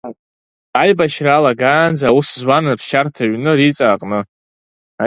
Аибашьра алагаанӡа аус зуан аԥсшьарҭа ҩны Риҵа аҟны.